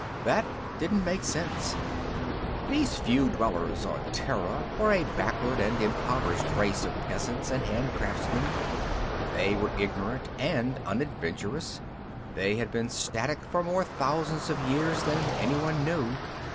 That didn't make sense. These few dwellers on Terra were a backward and impoverished race of peasants and handicraftsmen; they were ignorant and unadventurous; they had been static for more thousands of years than anyone knew.